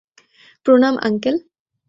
প্রণাম, আঙ্কেল।